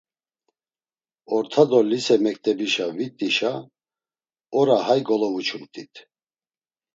Orta do lise mektebişa vit̆işa, ora hay golovuçumt̆it.